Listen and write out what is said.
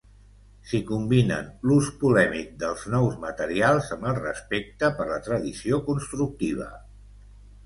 S'hi combinen l'ús polèmic dels nous materials amb el respecte per la tradició constructiva.